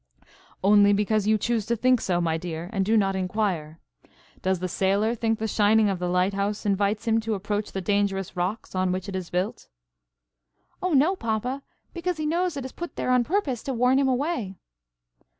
"Only because you choose to think so, my dear, and do not inquire. Does the sailor think the shining of the lighthouse invites him to approach the dangerous rocks on which it is built?" "Oh, no, papa, because he knows it is put there on purpose to warn him away."